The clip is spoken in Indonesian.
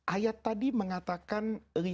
ayat tadi mengatakan